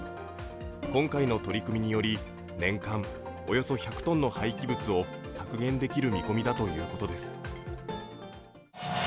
今回の取り組みにより年間およそ１００ｔの廃棄物を削減できる見込みだということです。